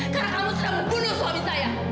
karena kamu sudah membunuh suami saya